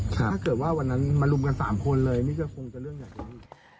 ถ้าเกิดว่าวันนั้นมารุมกัน๓คนเลยนี่ก็คงจะเรื่องแบบนี้